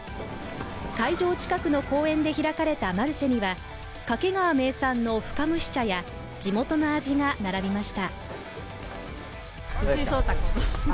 会場近くの公園で開かれたマルシェには掛川名産の深蒸し茶や地元の味が並びました。